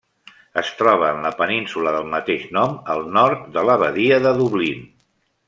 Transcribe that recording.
Es troba en la península del mateix nom al nord de la badia de Dublín.